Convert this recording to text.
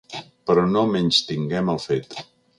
Però no menystinguem el fet.